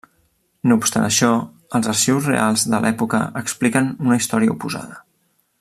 No obstant això, els arxius reals de l'època expliquen una història oposada.